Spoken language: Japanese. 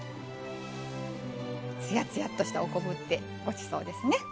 つやつやとしたお昆布ってごちそうですね。